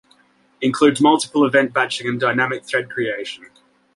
Includes multiple event batching and dynamic thread Creation.